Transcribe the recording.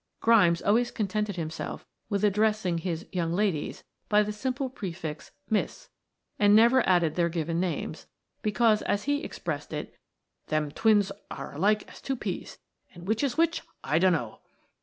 Grimes always contented himself with addressing his "young ladies" by the simple prefix "Miss," and never added their given names, because, as he expressed it, "them twins are alike as two peas, and which is which, I dunno."